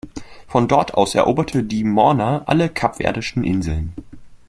Von dort aus eroberte die Morna alle Kapverdischen Inseln.